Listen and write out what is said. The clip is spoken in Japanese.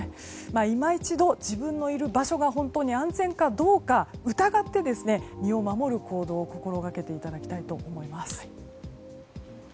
今一度、自分のいる場所が本当に安全かどうか疑って身を守る行動を心がけていただきたいと思います。